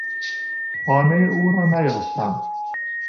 خانهی او رانیافتم.